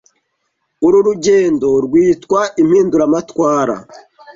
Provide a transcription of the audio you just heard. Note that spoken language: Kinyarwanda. Uru rugendo rwitwa impinduramatwara